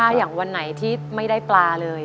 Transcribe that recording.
ถ้าอย่างวันไหนที่ไม่ได้ปลาเลย